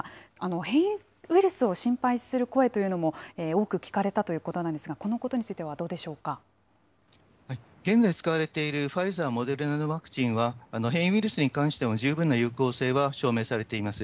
変異ウイルスを心配する声というのも、多く聞かれたということなんですが、このことについてはど現在使われているファイザー、モデルナのワクチンは、変異ウイルスに関しても十分な有効性は証明されています。